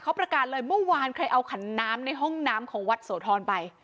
เขาประกาศเลยเมื่อวานใครเอาขันน้ำในห้องน้ำของวัดโสธรไป